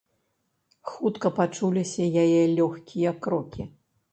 Хутка пачуліся яе лёгкія крокі.